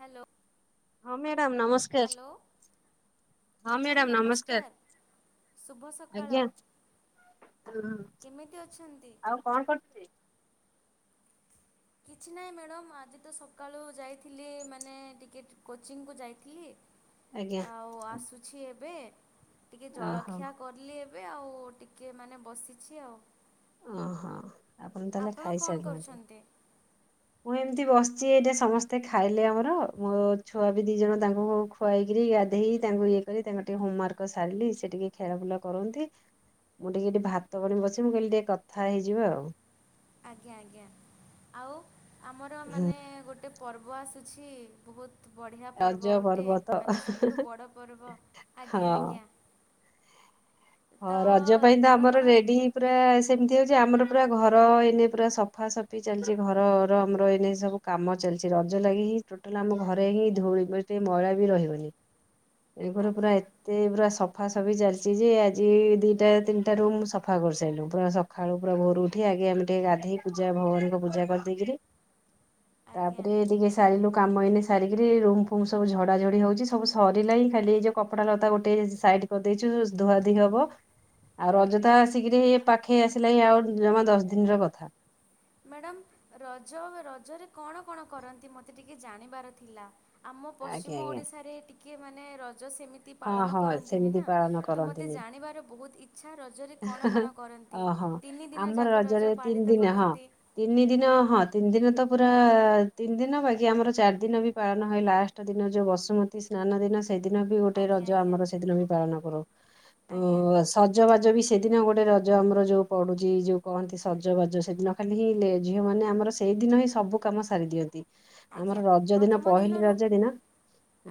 Hello. ହଁ madam ନମସ୍କା hello. Madam ନମସ୍କାର ଶୁଭ ସକାଳ। ଆଜ୍ଞା କେମିତି ଅଛନ୍ତି? ଆଉ କଣ କରୁଛନ୍ତି? କିଛି ନାହିଁ ମ୍ୟାଡ଼ମ୍ ଆଜି ତ ସକାଳୁ ଯାଇଥିଲି ମାନେ ଟିକେ କୋଚିଂକୁ ଯାଇଥିଲି। ଆଜ୍ଞା ଆଉ ଆସୁଛି ଏବେ, ଟିକେ ଓହୋ ଜଳଖିଆ କରି ଥିଲି ଏବେ ଆଉ ଟିକିଏ ମାନେ ବସିଛି ଆଉ। ଓହୋ। ତାହେଲେ ଆପଣ କଣ ଖାଇସାରିନାହାନ୍ତି। କରୁଛନ୍ତି? ମୁଁ ଏମିତି ବସିଛି ଏଇଟା ସମସ୍ତେ ଖାଇଲେ ଆମର ମୋ ଛୁଆ ବି ଦି ଜଣ ତାଙ୍କୁ ଖୁଆଇକରି ଗାଧେଇ ତାଙ୍କୁ ଇଏ କରି ତାଙ୍କ ଟିକେ ହୋମୱାର୍କ ସାରିଲି ସେ ଟିକେ ଖେଳ ବୁଲ କରନ୍ତି। ମୁଁ ଟିକେ ଟିକେ ଭାତ ପାଣି ବସେଇଛି ମୁଁ କହିଲି ଟିକେ କଥା ହେଇଯିବା ଆଉ। ଆଜ୍ଞା ଆଜ୍ଞା। ଆଉ ଆମର ମାନେ ଗୋଟେ ଗୋଟେ ପର୍ବ ଆସୁଛି, ବହୁତ ବହୁତ ବଢ଼ିଆ ପର୍ବ ରଜ ଗୋଟେ ତ ମାନେ ସବୁଠୁ ବଡ଼ ପର୍ବ। ଆଜ୍ଞା ହଁ। ଆଜ୍ଞା। ତ ହଁ ରଜ ପାଇଁ ତ କଣ ଆମର କଣ ରେଡି। ପୁରା ସେମିତି ହୋଉଚି ଆମର ପୁରା ଘର ଏଇନେ ପୁରା ସଫାସଫି ଚାଲିଚି ଘରର ଆମର ଏଇନେ ସବୁ କାମ ଚାଲିଚି ରଜ ଲାଗି ହିଁ ଟୋଟାଲ ଆମ ଘରେ ହିଁ ଧୁଳି ଟିକେ ମଇଳା ବି ରହିବନି। [unintelligible] ଆଜ୍ଞା ଏତେ ପୁରା ସଫା ସଫି ଚାଲିଚି ଯେଆଜି ଆଜି ଦିଇଟା ତିନିଟା ରୁମ୍ ସଫା କରିସାରିଲୁ ପୁରା ସକାଳୁ ପୁରା ଭୋରୁ ଉଠି ଆଗେ ଆମେ ଟିକେ ଗାଧେଇ ପୂଜା ଭଗବାନଙ୍କ ପୂଜା କରିଦେଇକିରି ଆଜ୍ଞା ତାପରେ ଟିକେ ସାରିଲୁ କାମ ଏଇନେ ସାରିକିରି ରୁମ୍ ଫୁମ୍ ସବୁ ଝଡ଼ାଝଡ଼ି ହୋଉଚି ସବୁ ସରିଲାଣି ଖାଲି ଏ ଯୋଉକପ କପଡ଼ା ଲତା ଗୋଟେଇ ଆଜି ସାଇଡ୍ କରିଦେଇଚୁ ଧୁଆଧୁଇ ଧୋଇ ହବ ଆଉ ରଜ ତ ଆସିକିରି ପାଖେଇ ଆସିଲାଣି ଆଉ ଜମା ଦଶ ଦିନିର କଥା। ମ୍ୟାଡ଼ାାମ ରଜ ରଜରେ କଣ କଣ କରନ୍ତି ମତେ ଟିକେ ଜାଣିବାର ଥିଲା? ଆମ ଆଜ୍ଞା ପଶ୍ଚିମ ଆଜ୍ଞା ଓଡ଼ିଶାରେ ଟିକେ ମାନେ ରଜ ସେମିତି ଏତେ ହଁ ପାଳନ ହଁ କରନ୍ତିନି ସେମିତି ନା ପାଳନ ତ ମତେ କରନ୍ତିନି। ଜାଣିବାର ବୋ ହୁତ ଇ ଆଚ୍ଛା ରଜରେ କଣ କଣ କରନ୍ତି ଓହୋ ତିନି ଦିନ ଆମର ଯାକ ରଜରେ ରଜ ତିନି ପାଳିତ ଦିନ ହଁ। କରନ୍ତି। ତିନି ଦିନ ହଁ ତିନି ଦିନ ତ ପୁରା ତିନି ଦିନ ବାକି ଆମର ଚାରି ଦିନ ବି ପାଳନ ହୁଏ ଲାଷ୍ଟ। ଶେଷ ଦିନ ଯୋଉ ବସୁମତୀ ସ୍ନାନ ଦିନ ସେଦିନ ବି ଗୋଟେ ଆଜ୍ଞା ରଜ ଆଜ୍ଞା ଆମର ସେଦିନ ବି ପାଳନ କରୁ ଆଜ୍ଞା ସଜବାଜ ବି ସେଦିନ ଗୋଟେ ରଜ ଆମର ଯୋଉ ପଡୁଚି ଯୋଉ କହନ୍ତି ସଜବାଜ ସେଦିନ ଖାଲି ହିଁ ଝିଅ ମାନେ ଆମର ସେଇଦିନ ହିଁ ସବୁ କାମ ସାରି ଦିଅନ୍ତି ଆଜ୍ଞା ଆମର ରଜ ଦିନ ପ୍ରଥମ ପହିଲି ଦିନରୁ ରଜ ଦିନ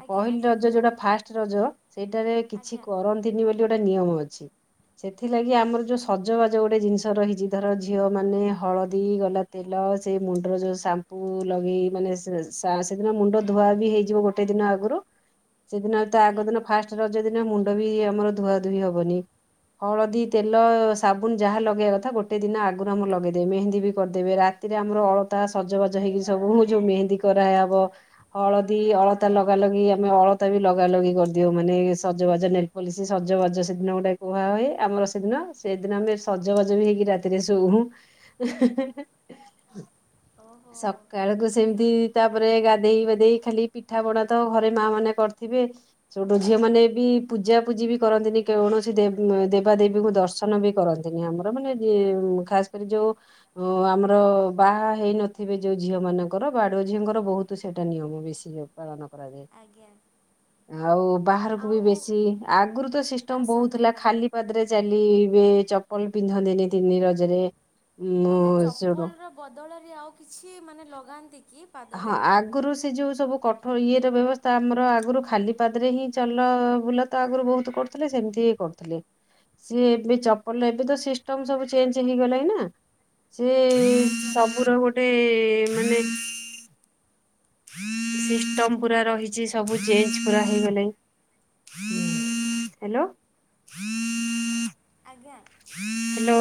ଆଜ୍ଞା ପହିଲି ଆଜ୍ଞା ରଜ ଯୋଉଟା କୁହନ୍ତୁ ଫାଷ୍ଟ ରଜ ସେଇଟାରେ କିଛି ଆଜ୍ଞା କରନ୍ତିନି ବୋଲି ଗୋଟେ ନିୟମ ଅଛି। ସେଥିଲାଗି ଆମର ଯୋଉ ସଜବାଜ ଗୋଟେ ଜିନିଷ ରହିଛି ଧର ଝିଅ ମାନେ ହଳଦୀ ଗଲା ତେଲ ସେ ମୁଣ୍ଡର ଯୋଉ ସାମ୍ପୁ ଲଗେଇ ମାନେ ସେଦିନ ମୁଣ୍ଡ ଧୁଆ ବି ହେଇଯିବ ଗୋଟେ ଗୋଟେ ଦିନ ଆଗୁରୁ ସେଦିନ ତା ଆଜ୍ଞା ଆଗ ଦିନ ଫାଷ୍ଟ ରଜ ଦିନ ମୁଣ୍ଡ ବି ଆମର ଧୂଆଧୂଇ ହବନି। ହଳଦୀ ତେଲ ସାବୁନ ଯାହା ଲଗେଇବା କଥା ଗୋଟେ ଦିନ ଆଗରୁ ଆମ ଲଗେଇଦେବେ ମେହେନ୍ଦୀ ବି କରିଦେବେ ରାତି ସେଥିରେ ଆମର ଅଳତା ସଜବାଜ ହେଇକି ସବୁ ଯୋଉ ମେହେନ୍ଦୀ କରାହବ। ହଳଦୀ ଅଳତା ଲଗା ଲଗି ଆମେ ଅଳତା ବି ଲଗା ଲଗି କରିଦିଉ ମାନେ ସଜବାଜ ନେ କଲେ ସେ ସଜବାଜ ସେଦିନ ଗୋଟେ କୁହା ହୁଏ ଆମର ସେଦିନ ସେଦିନ ଆମେ ସଜବାଜ ବି ହେଇକି ରାତିରେ ଶୋଉ। [inaudible] ଓହୋ ସକାଳୁକୁ ସେମିତି ତାପରେ ଆଜ୍ଞା ଗାଧେଇ ପାଧେଇକି ଖାଲି ପିଠାପଣାା ତ ଘରେ ମାଆ ମାନେ କରିଥିବେ। ସେପେଟ ଝିଅ ମାନେ ବି ପୂଜା ପୂଜି ବି କରନ୍ତିନି କୌଣସି ଦେ ଦେବାଦେବୀଙ୍କୁ ଦର୍ଶନ ବି କରନ୍ତିନି ଆମର ମାନେ ଖାସ କରି ଯୋଉ ଅ ଆମର ବାହା ହେଇନଥିବେ ଯୋଉ ଝିଅ ମାନଙ୍କର ବାଡୁଅ ଝିଅଙ୍କର ବୋହୁତ ସେଇଟା ନିୟମ ବେଶି [unintelligible] [unintelligible] ଆଜ୍ଞା। ଆଉ ବାହାରକୁ ବି ଆଉ ବେଶି ଆଗୁରୁ ତ ସିଷ୍ଟମ ବୋହୁତ ଥିଲା। ଆସନ୍ତିନି ଖାଲି ପାଦରେ ଚାଲିବେ ଚପଲ ପିନ୍ଧନ୍ତିନି ତିନି ରଜରେ। ଉଁ ମାନେ ସେଉଠୁ ଚପଲର ବଦଳରେ ଆଉ କିଛି ମାନେ ଲଗାନ୍ତି କି? ହଁ ପାଦରେ? ଆଗ ଆଗରୁ ସେ ଯୋଉ ସବୁ କଠୋର ଇଏର ବ୍ୟବସ୍ଥା ଆମର ଆଗରୁ ଖାଲି ପାଦରେ ହିଁ ଚାଲ ବୁଲା ତ ଆଗରୁ ବୋହୁତକରୁଥିଲେ। ଥିଲେ ସେମିତି କରୁଥିଲେ ସିଏ ଏବେ ଚପଲ ଏବେ ତ ସିଷ୍ଟମ ସବୁ ଚେଞ୍ଜ ହେଇଗଲାଣି ନା। ସେ ଆଜ୍ଞା ସବୁର ଗୋଟେ ମାନେ ସିଷ୍ଟମ ପୁରା ରହିଚି ସବୁ ଚେଞ୍ଜ ପୁରା ହେଇଗଲାଣି। ହାଲୋ। ଆଜ୍ଞା। ହ୍ୟାଲୋ।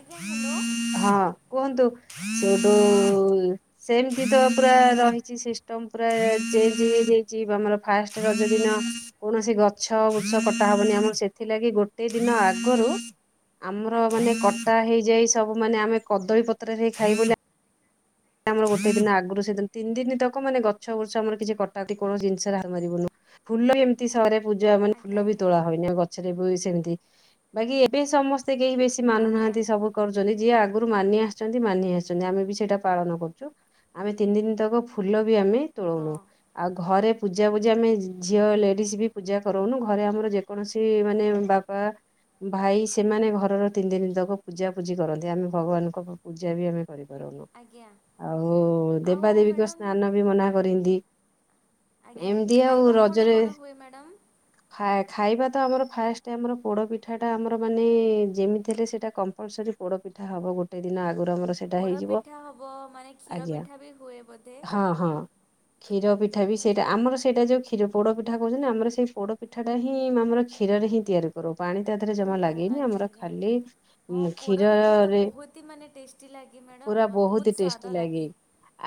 ଆଜ୍ଞା, ହ୍ୟାଲୋ। ହଁ, କୁହନ୍ତୁ। ସେଇଠୁ ହଁ ସେମତି ତ ପୁରା ରହିଛି, ସିଷ୍ଟମ୍ ପୁରା ଚେଞ୍ଜ ହେଇଯାଇଛି, ଆମର ଫାଷ୍ଟ ରଜ ଦିନ କୌଣସି ଗଛ ବୃଛ କଟା ହବନି, ଆମର ସେଥିଲାଗି ଗୋଟେ ଦିନ ଆଗରୁ ଆମର ଆଜ୍ଞା ମାନେ କଟା ହେଇଯାଏ ସବୁ, ମାନେ ଆମେ କଦଳୀ ପତ୍ରରେ ହେ ଖାଇଵୁ ବୋଲି ଆମର ଗୋଟେ ଦିନ ଆଗରୁ, ସେଦିନ ତିନି ଦିନ ତକ, ମାନେ ଗଛ ବୃଛ ଆମର କିଛି କଟାତି, କୌଣସି ଜିନିଷରେ ହାତ ମାରିବୁନି। ଫୁଲ ଏମିତି ସହରେ ପୂଜା, ମାନେ ଆଜ୍ଞା ଫୁଲ ବି ଆଜ୍ଞା ତୋଳା ହୁଏନି, ଗ ପଛରେ ଵୁଏ ସେମିତି, ବାକି ଏବେ ସମସ୍ତେ କେହି ବେଶୀ ଆଜ୍ଞା ମାନୁନାହାନ୍ତି। ଉପୋଭୋଗ କରୁଛନ୍ତି, ଯିଏ ଆଗରୁ ମାନି ଆସିଛନ୍ତି, ମାନି ଆସିଛନ୍ତି, ଆମେ ବି ସେଇଟା ପାଳନ କରୁଛୁ। ଆମେ ତିନି ଦିନ ତକ ଫୁଲ ବି ଆମେ ହଁ ତୋଳଉନୁ। ଆଉ ଘରେ ପୂଜା ବୂଜା ଆମେ ଝିଅ, ଲେଡ଼ିଜ ବି ପୂଜା କରଉନୁ, ଘରେ ଆମର ଯେକୌଣସି ମାନେ ବା ପା, ଭାଇ ସେମାନେ ଘରର ତିନି ଦିନ ତକ ପୂଜାପୂଜି କରନ୍ତି। ଆମେ ଭଗବାନଙ୍କ ପୂଜା ବି ଆମେ କରିପାରୁନୁ। ଆଜ୍ଞା ଆଉ ଆଉ ଦେବାଦେବୀଙ୍କ ମ୍ୟାଡ଼ମ୍ ସ୍ନାନ ବି ମନା କରିନ୍ତି। ଆଜ୍ଞା, ଖାଇବା କଣ ରଜରେ କଣ ହୁଏ ମ୍ୟାଡ଼ାମ୍? ଖା, ଖାଇବା ତ ଆମର ଫାଷ୍ଟ, ଆମର ପୋଡ଼ ପିଠାଟା ଆମର, ମାନେ ଯେମିତି ହେଲେ ସେଇଟା କମ୍ ପରି ସରି ପୋଡ଼ ପିଠା ହବ, ଗୋଟେ ଦିନ ଆଗରୁ ଆମର ସେଇଟା ହେଇଯିବ ପୋଡ଼ପିଠା ହବ, ମାନେ କ୍ଷୀର ଆଜ୍ଞା ପିଠା ବି ହୁଏ ବୋଧେ। ହଁ, ହଁ। [inaudible] କ୍ଷୀର ପିଠା ବି ସେଇଟା ଆମର, ସେଇଟା ଯେଉଁ କ୍ଷୀର ପୋଡ଼ ପିଠା କହୁଛନ୍ତି, ଆମର ସେଇ ପୋଡ଼ ପିଠାଟା ହିଁ ଆମର କ୍ଷୀରରେ ହିଁ ତିଆରି କରଉ। ପାଣି ତା ଦେହରେ ଜମା ଓହୋ ଲାଗେନି, ଆଜ୍ଞା ଆମର ଆଜ୍ଞା। ଖାଲି ହଁ କ୍ଷୀର-ଅ ପୋଡ଼ପିଠା ତ ରେ ବହୁତ ହି ମାନେ ଟେଷ୍ଟି ଲାଗେ ପୁରା ମ୍ୟାଡ଼ମ୍ ବହୁତ ସ୍ୱାଦ ଟେଷ୍ଟି ଲାଗେ।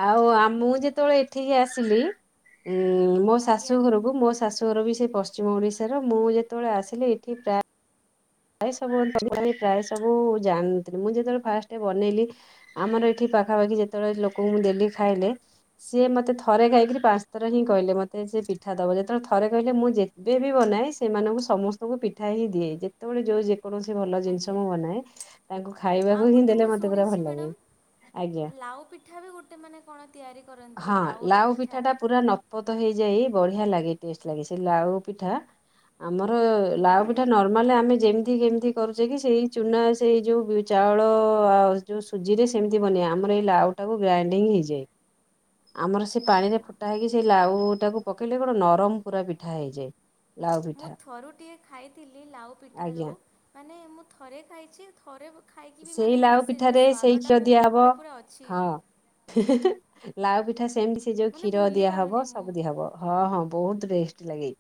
ଆଉ, ଆ ମୁଁ ଯେତେବେଳେ ଏଠିକି ଆସିଲି ମୋ ଆଜ୍ଞା ଶାଶୁ ଘରକୁ ମୋ ଶାଶୁଘର ବି ସେ ପଶ୍ଚିମ ଓଡ଼ିଶାର। ମୁଁ ଯେତେବେଳେ ଆସିଲି ଏଠି ପ୍ରାୟ ପ୍ରାୟ ସବୁ ପ୍ରାୟ ସବୁ ଜାଣଥିଲି, ମୁଁ ଯେତେବେଳେ ଫାଷ୍ଟ ବନେଇଲି ଆମର ଏଠି ପାଖାପାଖି ଯେତେବେଳେ ଲୋକଙ୍କୁ ଦେଲି ଖାଇଲେ, ସିଏ ମତେ ଥରେ ଖାଇକିରି ପାଞ୍ଚ ଥର ହିଁ କହିଲେ, ମତେ ମୋତେ ସେ ପିଠା ଦବ ଯେତେବେଳେ ଥରେ କହିଲେ, ମୁଁ ଯେବେ ବିି ବନାଏ, ସେମାନଙ୍କୁ ସମସ୍ତଙ୍କୁ ପିଠା ହିଁ ଦିଏ। ଯେ ସେତେବେଳେ ଯୋଉ ଯେକୌଣସି ଭଲ ଜିନିଷ ଆଜ୍ଞା ମୁଁ ବନାଏ, ତାଙ୍କୁ ଆଉ ଖାଇବାକୁ ହିଁ ଗୋଟେ ଦେଲେ ମୁଁ ମତେ ପୁରା ଶୁଣିଛି ଭଲ ଲାଗେ। ମ୍ୟାଡ଼ମ୍ ଆଜ୍ଞା। ଲାଉ ପିଠା ବି ଗୋଟେ, ମାନେ କଣ ତିଆରି କରନ୍ତି, ଲାଉର ପିଠା? ପତ ହେଇଯାଇ ବଢ଼ିଆ ଲାଗେ, ଟେଷ୍ଟ ଲାଗେ ସେ ଲାଉ ପିଠା, ଆମର ଲାଉ ଆଜ୍ଞା ପିଠା ନ ନର୍ମାଲ୍ ଆମେ ଯେମିତି କେମିତି କରୁଛେ କି, ସେଇ ଚୁନା, ସେଇ ଯୋଉ ଚାଉଳ-ଅ, ଆଉ ଯୋଉ ସୁଜିରେ ସେମିତି ବନଏ, ଆମର ଏଇ ଲାଉଟାକୁ ଗ୍ରାଇଣ୍ଡିଙ୍ଗ ହେଇଯାଏ, ଆମର ସେ ପାଣିରେ ଓହୋ ପଟା ହେଇକି ସେଇ ଲାଉ ଟାକୁ ପକେଇଲେ କଣ, ନରମ ପୁରା ପିଠା ହେଇଯାଏ। ଲାଉ ମୁଁ ପିଠା ଥରୁ ଟିକଏ ଖାଇଥିଲି ଲାଉ ପିଠା, ଆଜ୍ଞା ଯେଉଁ ମାନେ ମୁଁ ଥରେ ଖାଇଛି ଥରେ ଖାଇକି ବି, ସେଇ ମାନେ ମୋ ଲାଉ ସେ ଯେଉଁ ପିଠାରେ ସେଇ ସ୍ୱାଦଟା, କ୍ଷୀର ମୋ ଦିଆହବ ମୁହଁରେ ପୁରା ଅଛି। ହଁ ଲାଉ ପିଠା ସେମିତି, ସେ ଯୋଉ ମାନେ କ୍ଷୀର ଭୁଲି ପାରୁନି ଦିଆହବ, ମୁଁ ସବୁ ଦିଆହବ। ହଁ, ହଁ, ବହୁତ ଟେଷ୍ଟ ଲାଗେ।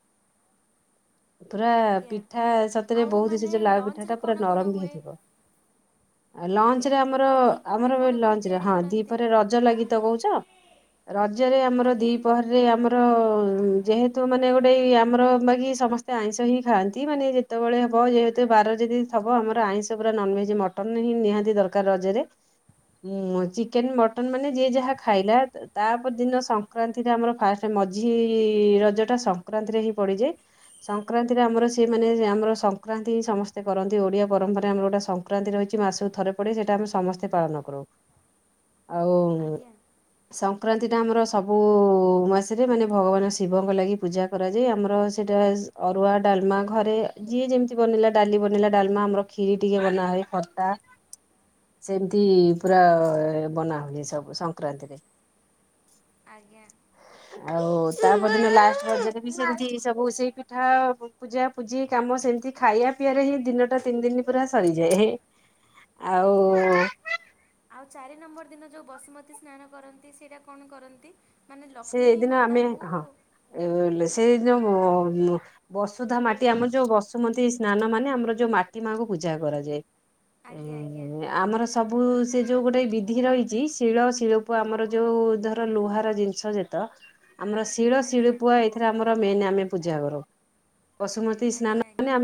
ପୁରା ଆଜ୍ଞା ପିଠା ସତରେ ଆଉ ବହୁତ, ସେ ମାନେ ଯୋଉ ଲାଉ ପିଠା ଲଞ୍ଚରେ ଟା ପୁରା କଣ କଣ ନରମ ବି ହୁଏ ହେଇଥିବ। [inaudible] ଆ ଲଞ୍ଚ ଆଜ୍ଞା ରେ ଆମର, ଆଉ ଦ୍ୱିପହରେ ଆମର ଏ କଣ କଣ ଲଞ୍ଚରେ ତିଆରି ହଁ, କରନ୍ତି ଦିପରେ ରଜ ଲାଗି ତ କହୁଛ। ରଜରେ ଆମର ଦି ଆଜ୍ଞା ପହ ରେ ଆମର ଯେହେତୁ, ମାନେ ଗୋଟେ ଆମର, ବାକି ସମସ୍ତେ ଆଇଁଷ ହିଁ ଖାଆନ୍ତି, ମାନେ ଯେ ସେତେବେଳେ ହବ ଯେହେତୁ ବାର ଯଦିଥବ ଆମର ଆଇଁଷ ପୁରା ନନ ଭେଜ ମଟନ ହିଁ ନିହାତି ଦରକାର ରଜରେ। ହୁଁ ଚିକେନ ମଟନ ମାନେ ଯିଏ ଯାହା ଖାଇଲା ତାପରେ ଦିନ ସଂକ୍ରାନ୍ତିରେ ଆମର ଫାଷ୍ଟ ମଝି ରଜ ଟା ସଂକ୍ରାନ୍ତିରେ ହିଁ ପଡିଯାଏ। ସଂକ୍ରାନ୍ତିରେ ଆମର ସିଏ ମାନେ ଆମର ସଂକ୍ରାନ୍ତି ହିଁ ସମସ୍ତେ କରନ୍ତି ଓଡ଼ିଆ ପରମ୍ପରା ଆମର ଗୋଟେ ସଂକ୍ରାନ୍ତି ରହିଛି ମାସକୁ ଥରେ ପଡ଼େ ସେଇଟା ଆମେ ସମସ୍ତେ ପାଳନ କରୁ। ଆଉ ଆଜ୍ଞା ସଂକ୍ରାନ୍ତିଟା ଆମର ସବୁ ମାସରେ ମାନେ ଭଗବାନ ଶିବଙ୍କ ଲାଗି ପୂଜା କରାଯାଏ, ଆମର ସେଇଟା ଅରୁଆ ଡାଲମା ଘରେ ଯିଏ ଯେମିତି ବନେଇଲା ଡାଲି ବନେଇଲା ଡାଲମା ଆମର ଖିରି ଟିକେ ବନା ହୁଏ, ଖଟା ସେମିତି ପୁରା ବନାହୁଏ ସବୁ ସଂକ୍ରାନ୍ତିରେ। ଆଜ୍ଞା। ଆଉ ତା ପରଦିନ ଲାଷ୍ଟ ରଜରେ ବି ସେମିତି ସବୁ ସେଇ ପିଠା ପୂଜା ପୂଜି କାମ ସେମିତି ଖାଇବା ପିଇରେ ହିଁ ଦିନଟା ତିନି ଦିନ ପୁରା ସରିଯାଏ ହେଁ। ଓହୋ। ଆଉ ଚାରି ନମ୍ବର ଦିନ ଯୋଉ ବସୁମତୀ ସ୍ନାନ କରନ୍ତି ସେଇଟା କଣ କରନ୍ତି? ମାନେ ଲକ୍ଷ୍ମୀ ମାତାଙ୍କୁ ଲେ ସେଇ ଯୋଉ ବ ବସୁଧା ମାଟି ଆମର ଯୋଉ ବସୁମତୀ ସ୍ନାନ ମାନେ ଆମର ଯୋଉ ମାଟି ମାଙ୍କୁ ପୂଜା କରାଯାଏ। ଆଜ୍ଞା ଆଜ୍ଞା ହ ଆମର ସବୁ ସେ ଯୋଉଁ ଗୋଟେ ବିଧି ରହିଛି ଶିଳ ଶିଳପୁଆ ଆମର ଯେଉ ଧର ଲୁହାର ଜିନିଷ ଛ ଯେତ ଆମର ଶିଳ ଆଜ୍ଞା ଶିଳପୁଆ ଏଥିରେ ଆମର ମେନ ଆମେ ପୂଜା କରଉ। ବସୁମତୀ ସ୍ନାନ ଆଜ୍ଞା ମାନେ ଆଜ୍ଞା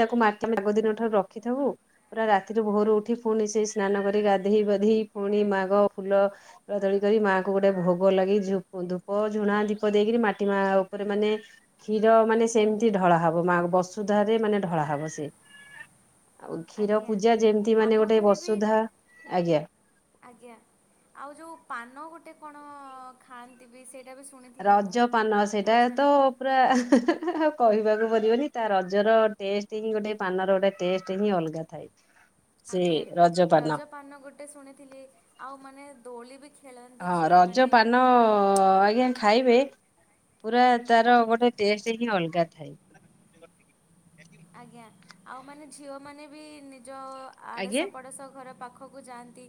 ତାକୁ ମାଟି ଆମେ ଆଗଦିନ ଠାରୁ ରଖିଥିବୁ ପୁରା ରାତିରୁ ଭୋରୁ ଉଠି ପୁଣି ସେଇ ସ୍ନାନ କରି ଗାଧେଇ ପାଧେଇ ପୁଣି ମା'ଙ୍କ ଫୁଲ ତୋଳା ତୋଳି କରି ମାଆ କୁ ଗୋଟେ ଭୋଗ ଲଗେଇ ଧୂପ ଝୁଣା ଦୀପ ଦେଇକରି ମାଟି ମା ଉପରେ ମାନେ କ୍ଷୀର ମାନେ ସେମିତି ଢଳା ହବ ମା ବସୁଧା ରେ ମାନେ ଢଳା ହବ ସେ। ଆଉ କ୍ଷୀର ଆଜ୍ଞା ପୂଜା ଯେମତି ଆମ ମାନେ ଗୋଟେ ଘରେ ବି ବସୁଧା ଆଜ୍ଞା। ଆଜ୍ଞା ଆଉ ଯୋଉ ପାନ ଗୋଟେ କଣ ଖାଆନ୍ତି ବି ସେଇଟା ବି ଶୁଣିଥିଲି ମୁଁ ରଜ ପାନ ସେଇଟା ତ ରଜରେ ପୁରା ଆଉ କହିବାକୁ ପଡ଼ିବନି ତା ରଜର ଟେଷ୍ଟ ହିଁ ଗୋଟେ ପାନର ଗୋଟେ ଟେଷ୍ଟ ହିଁ ଅଲଗା ଥାଏ। ସେ ଆଜ୍ଞା ରଜ ରଜପାନ। ପାନ ଗୋଟେ ଶୁଣିଥିଲି ଆଉ ମାନେ ଦୋଳି ବି ଖେଳନ୍ତି ରଜ ଝିଅମାନେ। ପାନ ହଁ ଆଜ୍ଞା ଖାଇବେ ପୁରା ତାର ଗୋଟେ ଟେଷ୍ଟ ହିଁ ଅଲଗା ଥାଏ। ଆଜ୍ଞା ଆଉ ମାନେ ଝିଅମାନେ ବି ନିଜ ଆଜ୍ଞା ଆଡ଼ଶ ପଡ଼ଶ ଘର ପାଖ ଖକୁ ଯାଆନ୍ତି।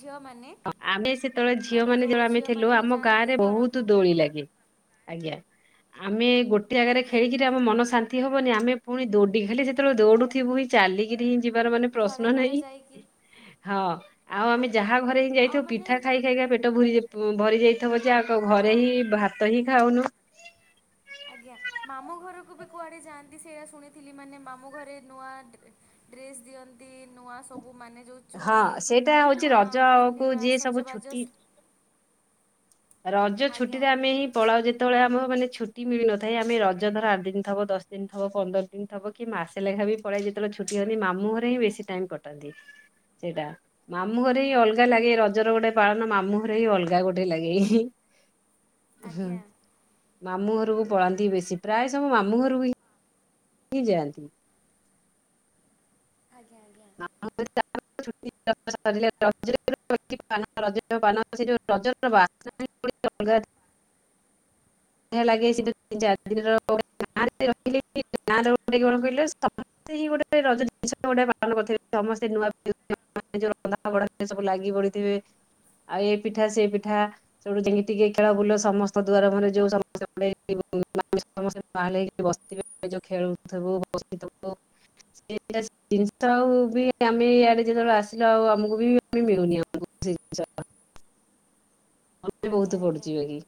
ଝିଅମାନେ ଆମେ ସେତେବେଳେ ଝିଅ ମାନେ ଯୋଉ ଯେବେଳେ ଆମେ ଥିଲୁ ଝିଅମାନେ ବି ଆମ ଗାଁ ଯାଆନ୍ତି ରେ ଘରକୁ ବହୁତ ଦୋଳି ଲାଗେ। ଆଜ୍ଞା ଆମେ ଗୋଟେ ଯାଗରେ ଆଜ୍ଞା ଖେଳିକି ଆଉ ଆମ ମନ ଶାନ୍ତି ହବନି ଆମେ ପୁଣି ଦୌଡି ଖାଲି ସେତେବେଳେ ଦୌଡୁଥିବୁ ହିଁ। ଚାଲିକିରି ହିଁ ଯିବାର ମାନେ ଘର ପ୍ରଶ୍ନ ଘର ନାହିଁ, ଯାଇକି ଆଉ ଆମେ ଆଜ୍ଞା ଯାହା ଘରେ ଆଉ ଯାଇଥିବୁ ମାନେ ପିଠା ଖାଇ ଖାଇକା ପେଟ ଭ ଭରି ଯାଇଥିବ ଯେ ହଁ ଘରେ ହିଁ ଭାତ ହିଁ ଖାଉନୁ। ଆଜ୍ଞା ମାମୁଁ ଘରକୁ ବି କୁଆଡ଼େ ଯାଆନ୍ତି ସେଇଟା ଶୁଣିଥିଲି ମାନେ ମାମୁଁ ଘରେ ନୂଆ ଡ୍ରେ ଡ୍ରେସ ଦିଅନ୍ତି, ନୂଆ ସବୁ ମାନେ ଯୋଉ ହଁ ଚୁଡ଼ି, ସେଇଟା ହଉଛି ନୂଆ ରଜ କୁ ପିନ୍ଧିବା ଯିଏ ସବୁ ଛୁଟି ସଜବାଜସ ରଜ ଛୁଟିରେ ଆମେ ହିଁ ପଳାଉ ଯେତେବେଳେ ଆମର ମାନେ ଛୁଟି ମିଳନଥାଏ ଆମେ ରଜ ଧର ଆଠ ଦିନ ଥବ ଦଶ ଦିନ ଥବ ପନ୍ଦର ଦିନ ଥବ କି ମାସେ ଲେଖା ବି ପଳାଇ ଯେତେବେଳେ ଛୁଟି ହଅନ୍ତି ମାମୁଁ ଘରେ ହିଁ ବେଶୀ ଟାଇମ ପଟନ୍ତି। ସେଇଟା। ମାମୁଁ ଘରେ ଓହୋ ହିଁ ଅଲଗା ଲାଗେ ରଜର ଗୋଟେ ପାଳନ ମାମୁଁ ଘରେ ହିଁ ଅଲଗା ଗୋଟେ ଲାଗେ। ହୁଁ ଆଜ୍ଞା ମାମୁଁ ଘରକୁ ପଳାନ୍ତି ବେଶୀ ପ୍ରାୟ ସବୁ ମାମୁଁ ଘରକୁ ହିଁ ଯାଆନ୍ତି। ଆଜ୍ଞା ଆଜ୍ଞା। [inaudible] [unintelligible] [inaudible] ଲାଗେ ସେ ତିନି ଚାରି ଦିନର ଗାଁ ରହିଲେ ଗାଁ ରଟ କଣ କହିଲ? [unintelligible] [unintelligible] ଆଉ ଏ ପିଠା ସେ ପିଠା। ସେଠୁ ଯି ଟିକେ ଖେଳ ବୁଲ ସମସ୍ତ ଦୁଆର ମାନେ ଯୋଉ। [unintelligible] [unintelligible] ଉ ବି ଆମେ ଇଆଡ଼େ ଯେତେବେଳେ ଆସିଲୁ ଆଉ ଆମକୁ ବି ଆେ ମିଳୁନି ଆମକୁ ସେ ଜିନିଷ। ମନେ ଆଜ୍ଞା ବହୁତ ଆଜ୍ଞା ପଡୁଛି [unintelligible]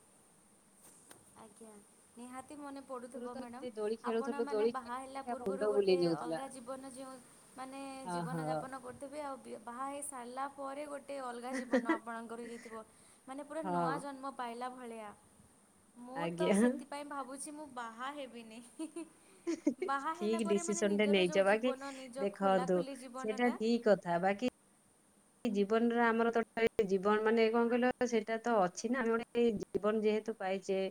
ଆଜ୍ଞା ନିହାତି ମନେ ଆଗରୁ ପଡ଼ୁଥିବ ତ ଏତେ ମ୍ୟାଡ଼ମ୍ ଦୋଳି ଆପଣ ଖେଳୁଥିଲୁ ମାନ ଦୋଳି ଖେଳି ବାହା ହେଲା ଖେଳିକା ମୁଣ୍ଡ ପୂର୍ବରୁ ଗୋଟେ ବୁଲେଇ ଯାଉଥିଲା ଅଲଗା ଜୀବନ ଯେଉଁ ମାନେ ଓହୋ ଜୀବନଯାପନ କରିଥିବେ ଆଉ ବି ବାହା ହେଇ ସାରିଲା ପରେ ଗୋଟେ ଅଲଗା ଜୀବନ ଆପଣଙ୍କର ହେଇଥିବ ମାନେ ପୁରା ନୂଆ ହଁ ଜନ୍ମ ପାଇଲା ଭଳିଆ ମୁଁ ତ ଆଜ୍ଞା। ସେଥିପାଇଁ ଭାବୁଛି ମୁଁ ବାହା ହେବିନି। ବାହା ହେଲା ଠିକ ପରେ ମାନେ ଡିସିସନ ଟେ ନିଜର ନେଇଛ ଯେଉଁ ବାକି ଜୀବନ ନିଜ ଦେଖନ୍ତୁ ଖୋଲାଖୋଲି ସେଟା ଜୀବନଟା ଠିକ କଥା ବାକି ଜୀବନରେ ଆମର ତ ଜୀବନ ମାନେ କଣ କହିଲ ସେଇଟା ତ ଅଛି ନା ଆମର? ଜୀବନ ଯେହେତୁ ପାଇ ଯେ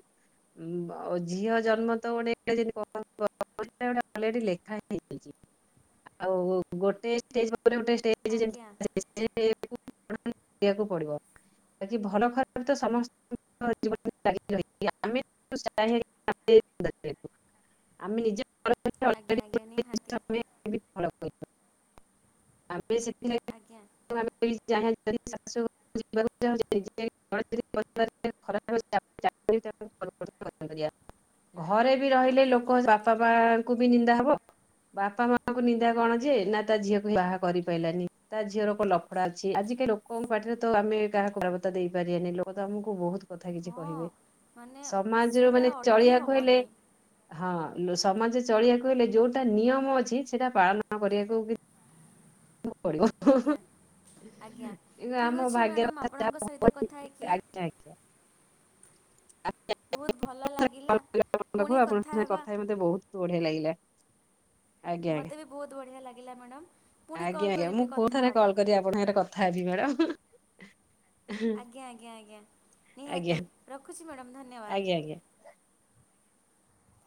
ଝିଅ ଜନ୍ମ ତ ଗୋଟେ [unintelligible] ଲେଖା ହେଇ। [unintelligible] ଆଜ୍ଞା କରିବାକୁ ପଡିବ। ବାକି ଭଲ ଖରାପ ତ ସମସ୍ତଙ୍କ ଜୀବନ ଲାଗି ରହିଛି ଆମେ ଆଜ୍ଞା ଆଜ୍ଞା [unintelligible] ନିହାତି [unintelligible] ଆମେ ସେଥିଲାଗ ଆଜ୍ଞା। ଯିବା ଚାହୁଁଛି [inaudible] ଖରା [inaudible] ଘରେ ବି ରହିଲେ ଆଜ୍ଞା ଲୋକ ନିହାତି ବାପା ମା ବି ନିନ୍ଦା ହବ ବାପା ମାଙ୍କୁ ନିନ୍ଦା କଣ ଯେ ନା ତା ଝିଅକୁ ବାହା କରିପାରିଲାନିି। ତା ଝିଅର କଣ ଲଫଡା ଅଛି ଆଜିିକାଲି ଲୋକଙ୍କ ପାଟିରେ ତ ଆମେ କାହାକୁ ବାରବତ୍ତା ଦେଇ ପାରିବାନି ଲୋକ ତ ଆମକୁ ବହୁତ କଥା କିଛି ହଁ କହିବେ ମାନେ ସମାଜରୁ ସେଇଟା ମାନେ ଅଟକି ଚଳିବାକୁ ହେଲେ। ହେବନି ହଁ ସମାଜରେ ଚଳିବାକୁ ହେଲେ ଯୋଉଟା ନିୟମ ଅଛି ସେଟା ପାଳନ କରିବାକୁ ପଡିବ। ଆଜ୍ଞା। ଆଜ୍ଞା କିନ୍ତୁ ଆମ ଠିକ ଅଛି ଭାଗ୍ୟ ମ୍ୟାଡ଼ମ କଥା ଆପଣଙ୍କ ସହିତ କଥା ହେଇକି ଆଜ୍ଞା ବହୁତ ଭଲ ପାଖ ଲାଗିଲା ପୁଣି [inaudible] ଆପଣଙ୍କ ସାଙ୍ଗେ ହେବା କଥା ହେଇ ମତେ ବହୁତ ବଢିଆ ଲାଗିଲା। ଆଜ୍ଞା। ମୋତେ ବି ବହୁତ ବଢ଼ିଆ ଲାଗିଲା ମ୍ୟାଡ଼ମ୍ ପୁଣି ଆଜ୍ଞା କଲ୍ ଆଜ୍ଞା ମୁଁ କରିବି କୋଉ କଥା ଥରେ ହବା। କଲ୍ କରି ଆପଣଙ୍କ ସାଥିରେ କଥା ହେବି ମ୍ୟାଡାମ ଆଜ୍ଞା ଆଜ୍ଞା ଆଜ୍ଞା ଆଜ୍ଞା ନିହାତି ରଖୁଛି ମ୍ୟାଡ଼ାମ୍ ଧନ୍ୟବାଦ। ଆଜ୍ଞା ଆଜ୍ଞା।